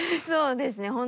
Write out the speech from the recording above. そうですね